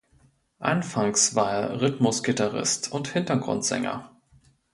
Anfangs war er Rhythmusgitarrist und Hintergrundsänger.